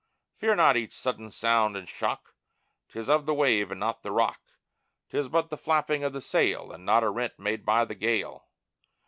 Fear not each sudden sound and shock, 'Tis of the wave and not the rock; 'Tis but the flapping of the sail, And not a rent made by the gale!